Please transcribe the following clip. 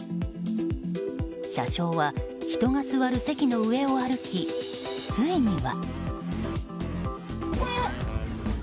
車掌は人が座る席の上を歩きついには。